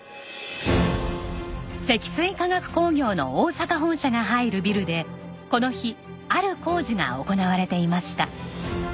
積水化学工業の大阪本社が入るビルでこの日ある工事が行われていました。